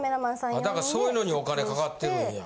だからそういうのにお金かかってるんや。